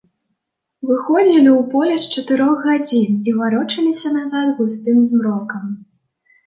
Выходзілі ў поле з чатырох гадзін і варочаліся назад густым змрокам.